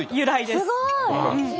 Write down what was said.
すごい！